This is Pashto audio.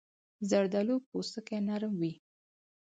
زردالو پوستکی نرم وي.